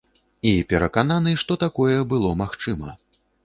І перакананы, што такое было магчыма.